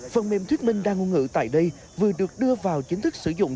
phần mềm thuyết minh đa ngôn ngữ tại đây vừa được đưa vào chính thức sử dụng